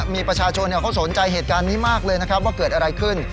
มีประชาชนเขาสนใจเหตุการณ์นี้มากเลยนะครับว่าเกิดอะไรขึ้น